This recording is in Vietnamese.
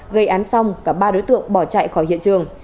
gây án xong cả ba đối tượng bỏ chạy khỏi hiện trường